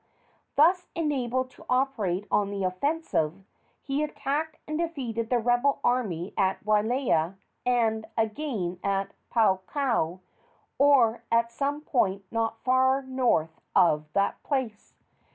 Thus enabled to operate on the offensive, he attacked and defeated the rebel army at Wailea, and again at Puako, or at some point not far north of that place.